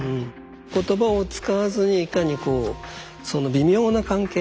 言葉を使わずにいかにこうその微妙な関係？